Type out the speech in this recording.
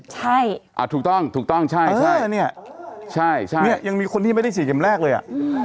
ใช่ถูกต้องใช่นี่ยังมีคนที่ไม่ได้ฉีดแชมป์แรกเลย